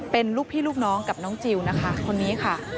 เป็นลูกพี่ลูกน้องกับน้องจิลนะคะคนนี้ค่ะ